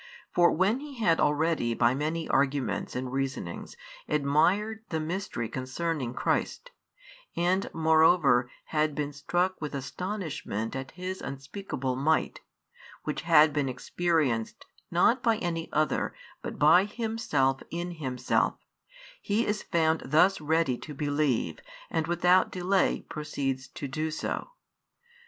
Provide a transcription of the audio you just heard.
For when he had already by many arguments and reasonings admired the mystery concerning Christ, and moreover had been struck with astonishment at His unspeakable might, which had been experienced not by any other but by himself in himself, he is found thus ready to believe and without delay proceeds to do so.